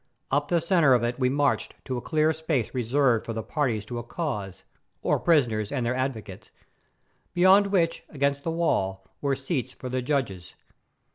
Up the centre of it we marched to a clear space reserved for the parties to a cause, or prisoners and their advocates, beyond which, against the wall, were seats for the judges.